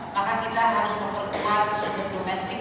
maka kita harus memperkuat struktur domestik